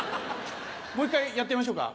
もう一回やってみましょうか？